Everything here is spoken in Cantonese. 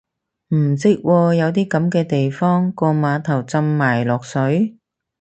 唔識喎，有啲噉嘅地方個碼頭浸埋落水？